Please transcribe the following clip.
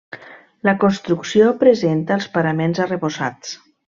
La construcció presenta els paraments arrebossats.